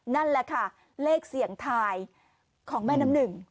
นั่นแหละค่ะเลขเสี่ยงทายของแม่น้ำหนึ่ง